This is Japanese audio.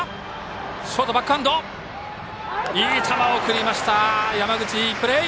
いい球送りました、山口いいプレー。